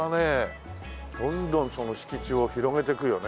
どんどんその敷地を広げてくよね